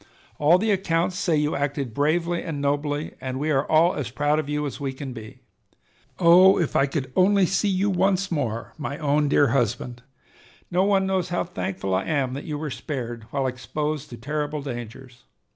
"All the accounts say you acted bravely and nobly, and we are all as proud of you as we can be. Oh, if I could only see you once more, my own dear husband! No one knows how thankful I am that you were spared, while exposed to terrible dangers.